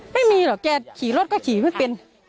ไม่มีหรอกแกขี่รถก็ขี่ไม่เป็น